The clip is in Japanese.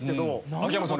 秋山さん